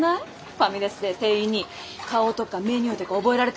ファミレスで店員に顔とかメニューとか覚えられてるとかさ。